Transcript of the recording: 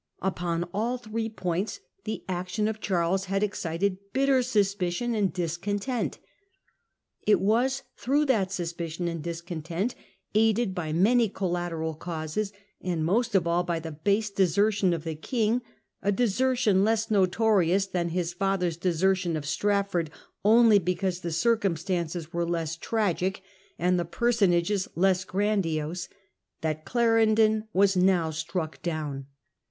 Upon all three points the action of Charles had pxcited bitter suspicion and discontent. It was 1667. Clarendon's Enemies. 149 through that suspicion and discontent, aided by many collateral causes, and most of all by the base desertion of the King, a desertion less notorious than his father's desertion of Strafford only because the circumstances were less tragic and the personages less grandiose, that Clarendon was now struck down.